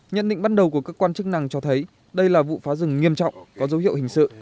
nhận định ban đầu của cơ quan chức năng cho thấy đây là vụ phá rừng nghiêm trọng có dấu hiệu hình sự